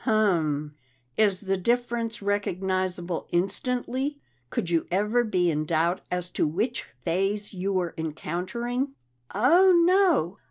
"Um. Is the difference recognizable instantly? Could you ever be in doubt as to which phase you were encountering?" "Oh, no!